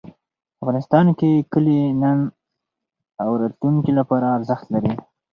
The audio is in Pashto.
افغانستان کې کلي د نن او راتلونکي لپاره ارزښت لري.